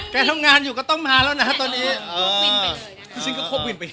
แกทำงานอยู่ก็ต้องมาแล้วนะตอนนี้ซึ่งก็ควบวินไปเลยนะ